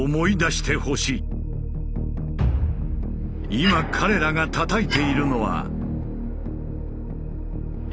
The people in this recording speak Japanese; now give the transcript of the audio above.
今彼らがたたいているのは。